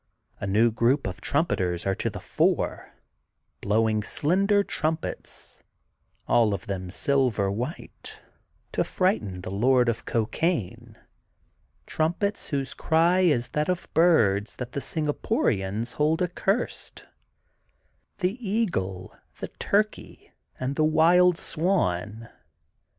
A new group of trumpeters are to the fore, blow ing slender trumpets, all of them silver white, to frighten the Lord of Cocaine, trumpets whose cry is that of birds that the Singa 290 THE GOLDEN BOOK OF SPRINGFIELD porians hold accursed; the eagle^ the turkey and the wild swan.